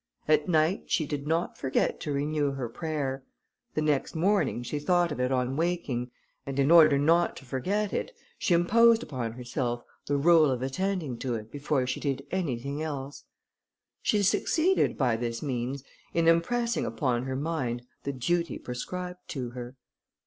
At night she did not forget to renew her prayer; the next morning she thought of it on waking, and in order not to forget it, she imposed upon herself the rule of attending to it before she did anything else. She succeeded, by this means, in impressing upon her mind the duty prescribed to her.